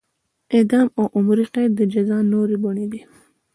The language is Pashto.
اعدام او عمري قید د جزا نورې بڼې دي.